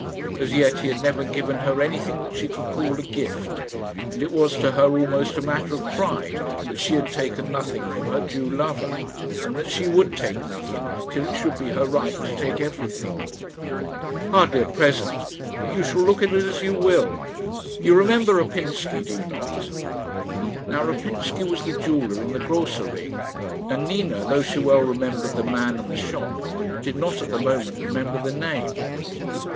As yet he had never given her anything that she could call a gift, and it was to her almost a matter of pride that she had taken nothing from her Jew lover, and that she would take nothing till it should be her right to take everything. "Hardly a present; but you shall look at it as you will. You remember Rapinsky, do you not?" Now Rapinsky was the jeweller in the Grosser Ring, and Nina, though she well remembered the man and the shop, did not at the moment remember the name.